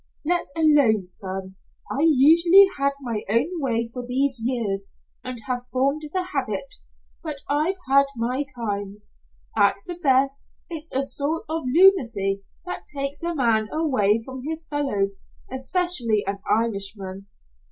"Let alone, son. I've usually had my own way for these years and have formed the habit, but I've had my times. At the best it's a sort of lunacy that takes a man away from his fellows, especially an Irishman.